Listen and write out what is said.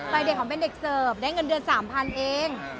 เด็กหอมเป็นเด็กเสิร์ฟได้เงินเดือน๓๐๐เอง